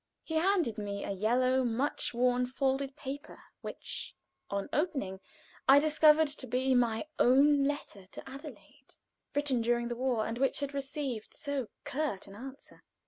He handed me a yellow, much worn folded paper, which, on opening, I discovered to be my own letter to Adelaide, written during the war, and which had received so curt an answer.